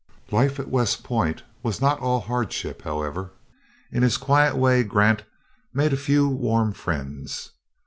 Life at West Point was not all hardship, however. In his quiet way Grant made a few warm friends.